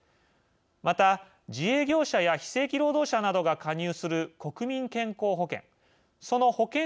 また、自営業者や非正規労働者などが加入する国民健康保険。